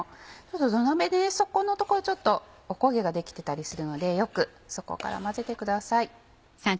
土鍋で底の所ちょっとおこげが出来てたりするのでよく底から混ぜてください。